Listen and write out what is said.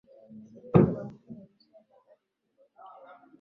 Zanzibar imeunganishwa na visiwa kadhaa vikubwa vikiwa Unguja na Pemba